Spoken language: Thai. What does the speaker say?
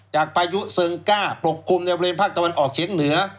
พายุเซิงก้าปกคลุมในบริเวณภาคตะวันออกเฉียงเหนือ